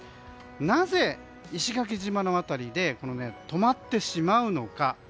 なぜ、石垣島の辺りで止まってしまうのか。